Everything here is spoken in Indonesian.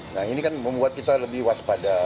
nah ini kan membuat kita lebih waspada